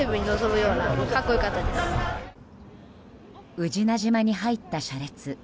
宇品島に入った車列。